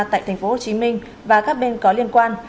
tại thành phố hồ chí minh và các bên có liên quan